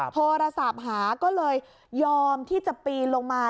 โทรศัพท์หาก็เลยยอมที่จะปีนลงมา